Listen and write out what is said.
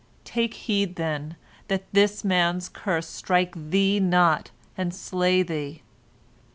Take heed, then, that this man's curse strike thee not and slay thee.